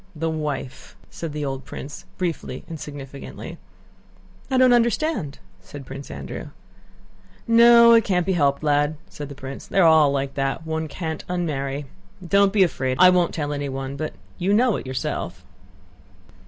"The wife!" said the old prince, briefly and significantly. "I don't understand!" said Prince Andrew. "No, it can't be helped, lad," said the prince. "They're all like that; one can't unmarry. Don't be afraid; I won't tell anyone, but you know it yourself."